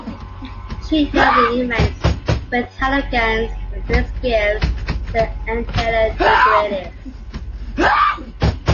Treatment of imides with halogens and base gives the "N"-halo derivatives.